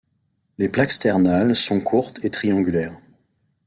Les plaques sternales sont courtes et triangulaires.